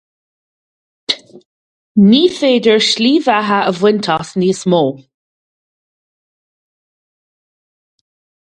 Ní féidir slí bheatha a bhaint as níos mó.